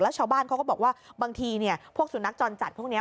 ชาวบ้านเขาก็บอกว่าบางทีพวกสุนัขจรจัดพวกนี้